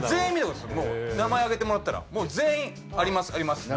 名前挙げてもらったら全員「ありますあります」って。